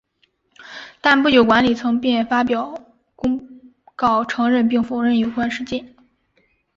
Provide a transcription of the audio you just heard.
但不久管理层便发表公告澄清并否认有关事件。